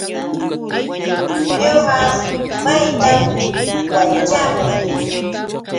Ñuqa yupayta yaćhaami.